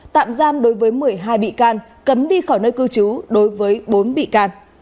tạm giam đối với một mươi hai bị can cấm đi khỏi nơi cư trú đối với bốn bị can